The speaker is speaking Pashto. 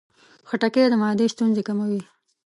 خټکی د معدې ستونزې کموي.